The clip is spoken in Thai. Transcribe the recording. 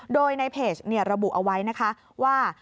โดยในเพจระบุเอาไว้นะคะว่า